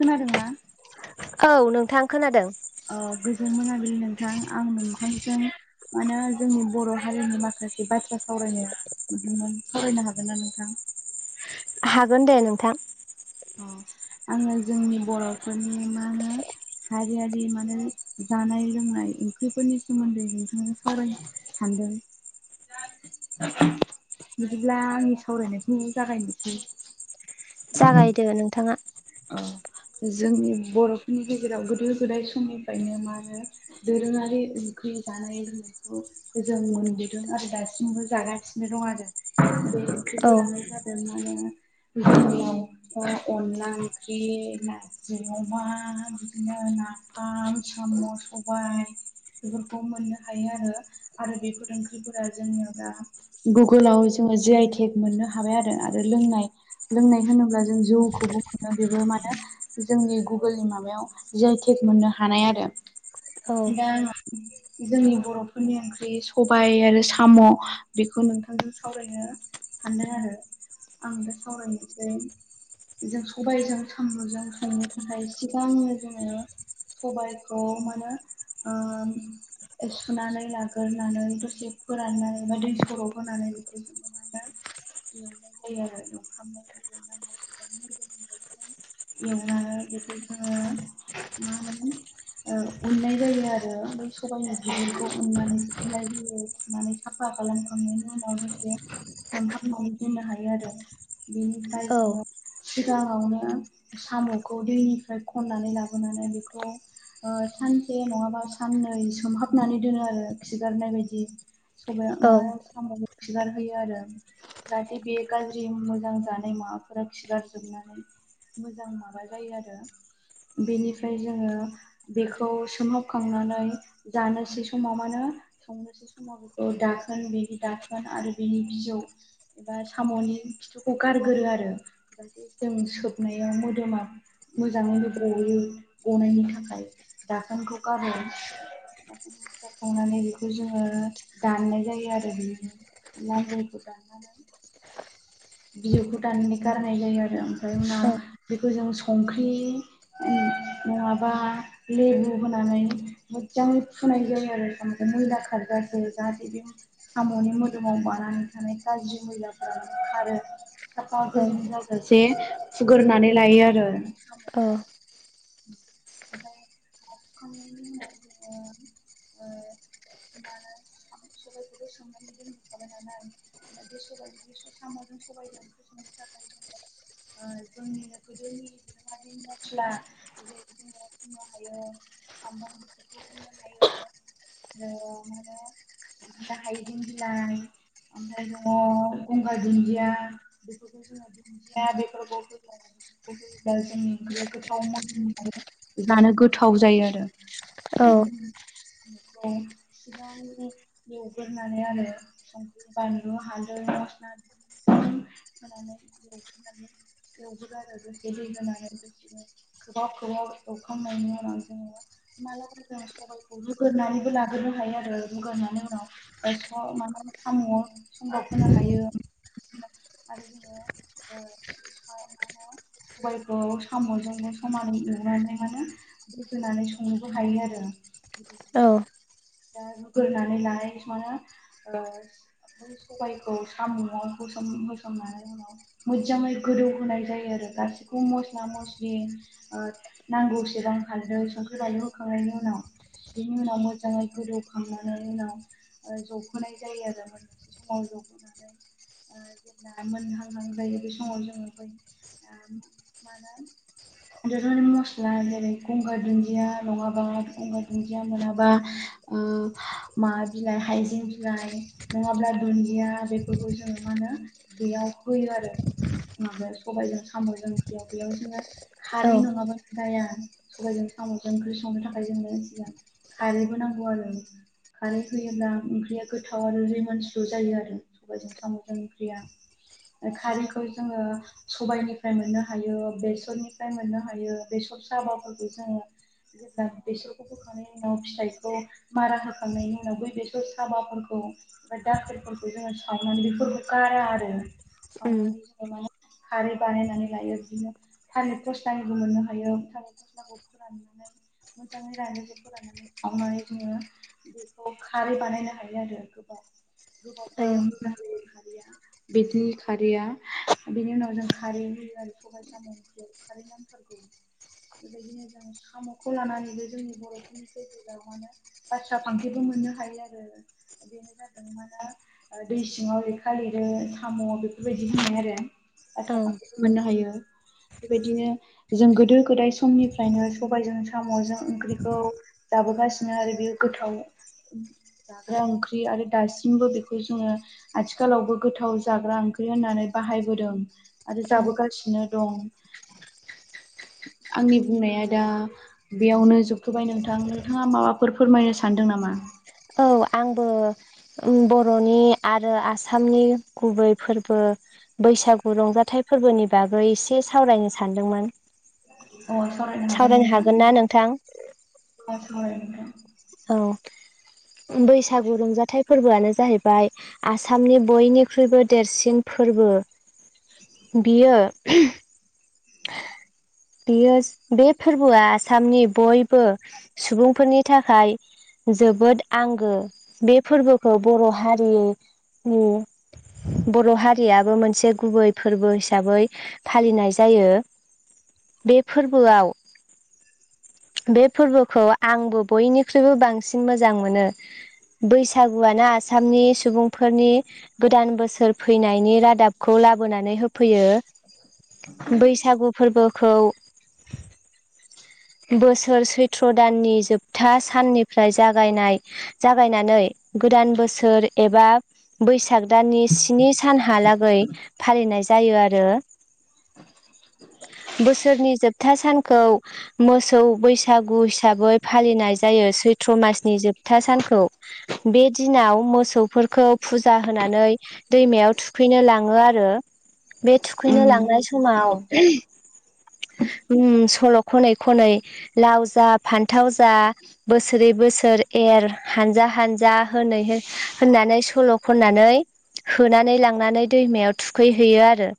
खोनादोंना औ नोंथां खोनादों मोनाबिलि नोंथां आं नोंथांजों माने जोंनि बर' हारिनि माखासे बाथ्रा साव [unintelligible] सावरायनो हागोन ना नोंथां हागोन दे नोंथां। अ आङो जोंनि बर'फोरनि मा होनो हारियारि माने जानाय लोंनाय ओंख्रिफोरनि सोमोन्दै नोंथाजों सावरायनो सानदों द [unintelligible] बिदिब्ला आंनि सावरायनायखौ जागायनोसै जागायदो नोंथाङा [inaudible] जोंनि बर'फोरनि गेजेराव गोदो- गोदाय समनिफ्रायनो मा होनो दोरोङारि ओंख्रि जानाय लोंनायखौ जों मोनबोदों आरो दासिमबो जागासिनो दं आरो औ ओंख्रिफोरानो जादों मा [unintelligible] अनला ख्रि नारजि अमा बिदिनो नाफाम साम' सबाइ बेफोरखौ मोननो हायो आरो- आरो बेफोर ओंख्रिफोरा जोंनियाव दा गुगोलाव जों जे आइटेक मोननो हाबाय आरो आरो लोंनाय लोंनाय होनोब्ला जों जौखौ बेबो माने जोंनि गुगोलनि माबायाव जिआइटेक मोननो हानाय आरो औ दा जोंनि बर'फोरनि ओंख्रि सबाय आरो साम' बेखौनो नोंथांजों सावरायनो सानदों आरो आं दा सावरायनोसै जों सबाइजों साम'जों संनो थाखाय सिगांनो जोंङो सबाइखौ मानो ओ सुनानै लागोरोनानै दसे फोराननानै बा दै सर' होनानै बेखौ [unintelligible] एवनाय जायो आरो एवखा [unintelligible] एवनानै बेखौ जोंङो मा होन उननाय जायो आरो ओमफ्राय सबाइ [unintelligible] खुनानै साफा खालाम खांनायनि उनाव दसे [unintelligible] दोननो हायो आरो बेनिफ्राय औ जोंङो सिगाङावनो साम'खौ दैनिफ्राय खननानै लाबोनानै बेखौ सानसे नङाबा साननै सोमहाबनानै दोनो आरो खिगारनाय बायदि सबाइया ओ मा साम' खिगारहोयो आरो जाहाथे बे गाज्रि-मोजां जानाय माबाफोरा खिगार जोबनानै मोजां माबा जायो आरो बेनिफ्राय जोङो बेखौ सोमहाबखांनानै जानोसै समाव मानो संनोसै समाव बेखौ दाखोन बिनि दाखोन आरो बेनि बिजौ एबा साम'नि खिथुखौ गारगोरो आरो जाहाथे जों सोबनायाव मोदोमा मोजाङै गयो गनायनि थाखाय दाखोनखौ गारो जाखांनानै बेखौ जोङो दाननाय जायो आरो बि न जै फदा बिजौखौ दाननानै गारनाय जायो आरो ओमफ्राय उनाव ओ बेखौ जों संख्रि नङाबा लेबु होनानै मोजाङै फुनाय जायो आरो साम'खौ मैला खारजासे जाहाथे बे साम'नि मोदोमाव बानानै थानाय गाज्रि मैलाफोरा खारो साफा औ गोजों जाजासे हुग्रोननानै लायो आरो। औ ओमफ्राय हुखांनायनि उनाव जोङो मानो सबायखौथ' सोमनानै दोनखांखाबाय नालाय ओमफ्राय बे सबाय बे साम'जों सबायजों संनो थाखाय जोङो, जोंनिनो गोदोनि मस्ला, बिदिनो बुंनो हायो सामब्रामफोरखौ बुंनो हायो। आरो माने बिदिनो हाइजें बिलाइ, ओमफ्राय जोङो गंगार दुन्दिया बेफोरखौ जोङो दुन्दिया बेफोरखौ होयो आरो होनब्ला जोंनि ओंख्रिया गोथाव मोदोमबाय, जानो गोथाव जायो आरो औ खौ सिगां एवगोरनानै आरो संख्रि बानलु हालदै, [unintelligible] एवग्रोना लोगोसे दै होनानै बिदिनो गोबाव गोबाव एवखांनायनि उनाव जोङो, मालाबा जों सबायखौ रुगोरनानैबो लागोरनो हायो आरो लुगोरनानै उनाव स माबा, साम'आव [unintelligible] होनो हायो आरो जोङो मा होनो सबायखौ साम'जोंबो समानै एव नानै माने दै होनानै संनोबो हायो आरो औ दा रुग्रोनानै लानायनि समावनो ओ बै सनायखौ सामु आव होसन, होसननायनै उनाव मोजाङै गोदौ होनाय जायो आरो गासैखौबो मस्ला-मस्लि ओ नांगौसेबां खारदै, संख्रि-बानलु होखांनायनि उनाव बेनि उनाव मोजाङै गोदौखांनायनि उनाव जबहोनाय जायो आरो मोनबैसे समाव जौखोनानै, जेब्ला मोनहांहां जायो बे समाव जोङो मानो [unintelligible] जेरै गंगार दुन्दिया नङाबा गंगार दुन्दिया मोनाबा ओ माबा बिलाइ हाइजें बिलाइ नङाब्ला दुन्दिया बेफोरखौ जोङो मा होनो बेयाव, होयो आरो माबा सबायजों साम'जों ओंख्रियाव बेयाव जोङो औ खारै नङामोन, जाया सबायजों साम'जों ओंख्रि संनो थाखाय जोंनो सिगां खारैबो नांगौ आरो खारै होयोब्ला ओंख्रिया गोथाव आरो रिमोनस्लु जायो आरो सबायजों साम'जों ओंख्रिया खारैखौ जोङो सबायनिफ्राय मोननो हायो, बेसरनिफ्राय मोननो हायो। बेसर साबाफोरखौ जोङो जेब्ला बेसरखौ बोखांनायनि उनाव फिथाइखौ मारा होखांनायनि उनाव बै बेसर साबाफोरखौ, दौ दाखोरफोरखौ जोङो सावनानै बेफोरखौ गारा आरो उम सावनानै ज'मानै खारै बानायनानै लायो बिदिनो थालिर फस्लानिबो मोननो हा हायो थालिर फस्लाखौ फोराननानै मोजाङै रायजोखौ लानानै सावनानै जोङो, बेखौ खारै बानायनो हायो आरो गोबां गोबाव औ जायो मोननो हायो खारैया बिदिनो खारैया बेनि उनाव जों खारैनि समायसा खारै नांथारगौ, [unintelligible] बेबायदिनो जों साम'खौ लानानैबो जोंनि बर'फोरनि गेजेराव मा होनो बाथ्रा फांसेबो मोनो आरो बेनो जादों मा दै सिङाव लेखा लिरो साम' बेफोरबाय, माननो हाया आरो बाथ्रा औ फांथेखौ मोननो हायो बेबायदिनो जों गोद गोदो गोदाय समनिफ्रायनो सबायजों साम'जों ओंख्रिखौ जाबोगासिनो आरो बेयो गोथाव उम जाग्रा ओंख्रि आरो दासिमबो बेखौ जोङो आथिखालावबो गोथाव जाग्रा ओंख्रि होननानै, बाहायबोदों आरो औ जाबोगासिनो दं। आंनि बुंनाया दा बेयावनो जोबथ'बाय नोंथां नोंथाङा माबाफोर फोरमायनो सानदों नामा? औ आंबो बर'नि आरो आसामनि गुबै फोरबो बैसागु रंजाथाइ फोरबोनि बागै एसे सावरायनो सानदोंमोन सावरायनो हागोन ना नोंथां? [unintelligible] औ बैसागु रंजाथाइ फोरबोआनो जाहैबाय आसामनि बयनिख्रुइबो देरसिन फोर्बो फोर्बो बियो बेयो बे फोर्बोआ आसामनि बयबो सुबुंफोरनि थाखाय जोबोद आंगो बे फोर्बोखौ बर हारिनि बर हारियाबो मोनसे गुबै फोर्बो हिसाबै फालिनाय जायो [unintelligible] बे फोर्बोआव बे फोर्बोखौ आंबो बयनिख्रुइबो बांसिन मोजां मोनो बैसागुआनो आसामनि सुबुंफोरनि गोदान बोसोर फैनायनि रादाबखौ लाबोनानै होफैयो बैसागु फोर्बोखौ [inaudible] बोसोर सैथ्र दाननि जोबथा साननिफ्राय जागायनाय जागायनानै गोदान बोसोर एबा बैसाग दाननि स्नि सानहालागै फालिनाय जायो आरो [inaudible] बोसोरनि जोबथा सानखौ मोसौ बैसागु हिसाबै फालिनाय जायो सै त्र मासनि जोबथा सानखौ बे दिनाव मोसौफोरखौ फुजा होनानै दैमायाव थुखैनो लाङो आरो बे उम थुखैनो लांनाय औ समाव सल खनै खनै लाव जा फान्थाव जा बोसोरै बोसोर एर हानजा हानजा होनै होननानै सल खननानै होनानै लांनानै दैमायाव थुखैहैयो आरो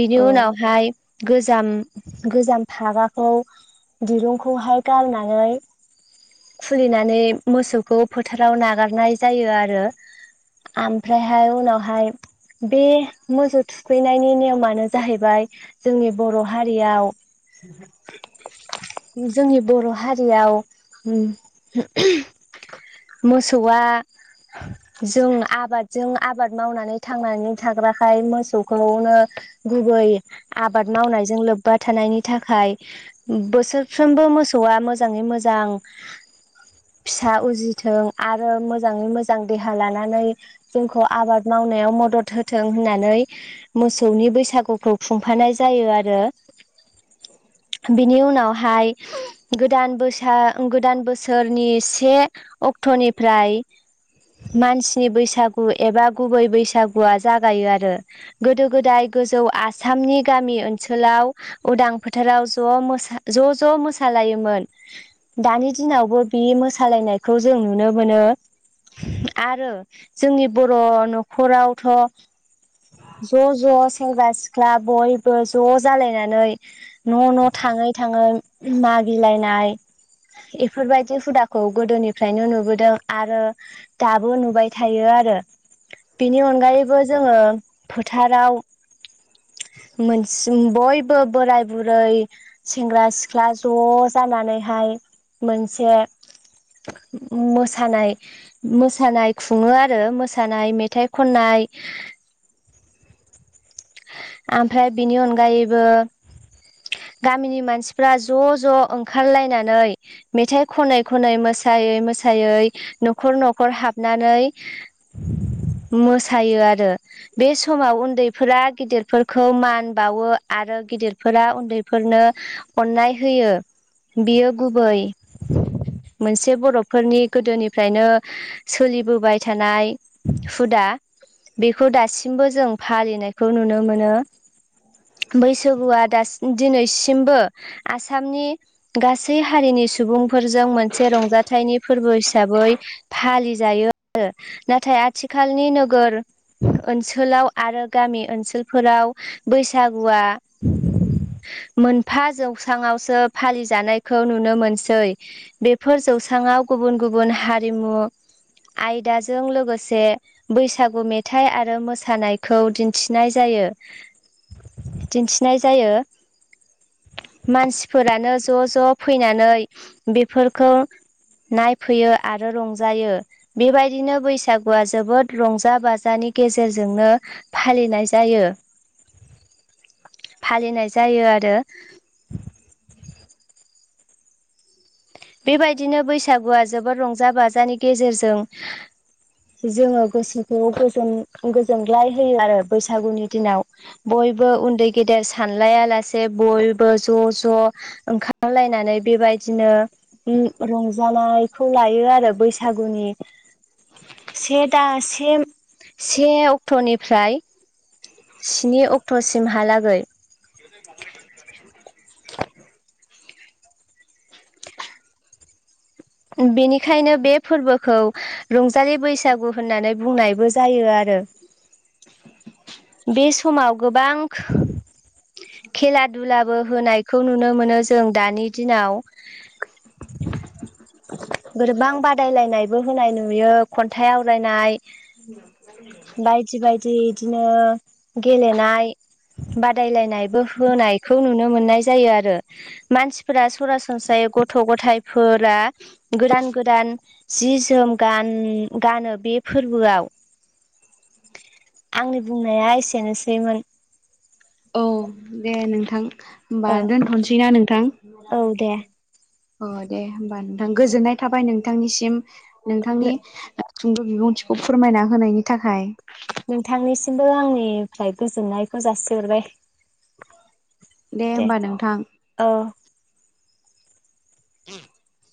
बेनि औ उनावहाय गोजाम गोजाम फागाखौ दिरुंखौहाय गारनानै खुलिनानै मोसौखौ फोथाराव नागारनाय जायो आरो आमफ्रायहाय उनावहाय बे मोसौ थुखैनायनि नेयमानो जाहैबाय जोंनि बर हारियाव जोंनि बर हारियाव मोसौआ जों आबादजों आबाद मावनानै थांनानै थाग्राखाय मोसौखौनो गुबै आबाद मावनाय जों लोब्बा थानायनि थाखाय बोसोरफ्रोमबो मोसौआ मोजाङै मोजां फिसा उजिथों आरो मोजाङै मोजां देहा लानानै जोंखौ आबाद माव नायाव मदद होथों होननानै मोसौनि बैसागुखौ खुंफानाय जायो आ जो [unintelligible] बिनि उनावहाय गोदान बोसा गोदान बोसोरनि से अक क्ट निफ्राय मानसिनि बैसागु एबा गुबै बैसाग गुआ जागायो आरो गोदो गोदाय गोजौ आसामनि गामि ओन लाव उदां फोथाराव ज मोसा ज ज मोसालायोमोन दानि दिनाव बो बि मोसालायनायखौ जों नुनो मोनो आरो जोंनि बर न खरावथ ज ज सेंग्रा सिख्ला बयबो ज जालायनानै न न थाङै थाङै मागिलायनाय इफोरबायदि हुदाखौ गोदोनिफ्रायनो नुबोदों आरो दाबो नुबाय थायो आ आरो बिनि अनगायैबो जोङो फोथाराव मोन जों बयबो बोराय बुरै सेंग्रा सिख्ला ज' जानानैहाय मोनसे मोसानाय मोसानाय खुङो आरो मोसानाय मेथाइ खननाय नाय ओमफ्राय बिनि अनगायैबो गामिनि मानसिफ्रा ज' ज' ओंखारलायनानै मेथाइ खनै खनै मोस सायै मोसायै न'खर न'खर हाबनानै मोसायो आरो। बे समाव उन्दैफोरा गिदिरफोरखौ मान बावो आरो गिदिरफोरा उन्दै फोरनो अन्नाय होयो बियो गुबै मोनसे बर'फोरनि गोदोनिफ्रायनो सोलिबोबाय थानाय हु दा बेखौ दासिमबो जों फालिनायखौ नुनो मोनो। बैसगुवा दास दिनैसिमबो आसामनि गासै हारिनि सुबुंफोरजों मोनसे रंजा जाथायाइनि फोरबो हिसाबै फालिजायो आरो नाथाय आथिखालनि नोगोर ओनसोलाव आरो गामि ओनसोलफोराव बैसागुआ [inaudible] मोनफा जौस्रांवसो फालि जानायखौ नुनो मोनसै बेफोर जौसां ङाव गुबुन गुबुन हारिमु आयदाजों लोगोसे बैसागु मेथाइ आरो मोसानायखौ दिन्थिनाय जाय यो [inaudible] दिन्थिनाय जायो। [unintelligible] मानसिफोरानो ज' ज' फैनानै बेफोरखौ नायफैयो आरो रंजायो। बेबायदिनो बैसागुआ जोबोद रंजा बाजानि नि गेजेरजोंनो फालिनाय जायो। [unintelligible] फालिनाय जायो आरो। बेबायदिनो बैसागुआ जोबोद रंजा बाजानि गेजेरजों जोङो गोसोखौ गोजोनग्लाय होयो आरो बैसागुनि दिनाव बय बयबो उन्दै गेदेर सानलायालासे बयबो ज' ज' ओंखारलायनानै बे बायदिनो रंजानायखौ लायो आरो बैसागुनि, से टा- से से अक्ट'निफ्राय स्नि अक्ट'सिमहालागै बेनिखायनो बे फोरबोखौ रंजालि बैसागु होननानै बुंनायबो जायो आरो। ओ [unintelligible] बे समाव गोबां खो- खेला दुलाबो होनायखौ नुनो मोनो जों दानि दिनाव। गोरबां बादायलायनायबो होनाय नुयो खन्थाइ आवरायनाय [inaudible] बिदिनो गेलेनाय बादायलायनायबो होनायखौ नुनो मोननाय जायो आरो। मानसिफोरा सरासनस्रायै गथ' गथायफोरा गोदान गोदान जि जोम गान-गानो। बे फोरबोआव [inaudible] आंनि बुंनाया एसेनोसैमोन। औ दे नोंथां। होमबा ओ दोनथ'नोसैना नोंथां? औ दे अ दे होमबा नोंथां गोजोननाय थाबाय नोंथांनिसिम नोंथांनि सुंग' बिबुंथिखौ फोरमायना होनायनि थाखाय नोंथांनिसिमबो आंनिफ्राय गोजोननायखौ जासिहरबाय। दे होमबा नोंथां। औ [unintelligible]